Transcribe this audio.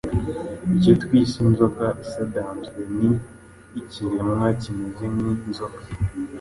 icyo twise inzoka isadanzwe ni ikiremwa kimeze nk’ inzoka